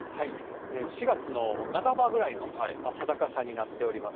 ４月の半ばぐらいの暖かさになっております。